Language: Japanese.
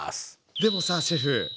でもさシェフ